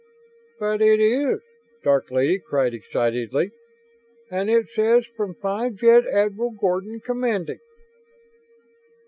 "But it is!" Dark Lady cried, excitedly. "And it says 'From Five Jet Admiral Gordon, Commanding.'"